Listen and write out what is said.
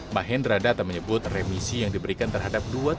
mahendra data menyebut remisi yang diberikan terhadap dua tiga